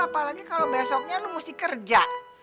apalagi kalau besoknya lu mesti kerja